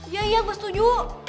ya iya gue setuju